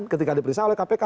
ketika dipersah oleh kpk